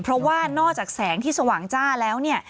เพราะว่านอกจากแสงที่สว่างจ้าแล้วเนี่ย